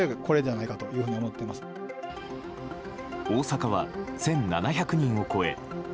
大阪は１７００人を超え